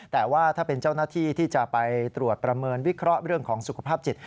แต่ว่าถ้าเป็นเจ้าหน้าที่ที่จะไปตรวจประเมินวิเคราะห์เรื่องของสุขภาพจิต